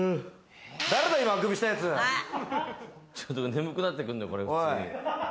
眠くなってくるんだよね普通に。